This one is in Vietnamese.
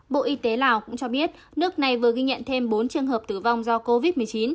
bộ y tế lào cũng cho biết nước này vừa ghi nhận thêm bốn trường hợp tử vong do covid một mươi chín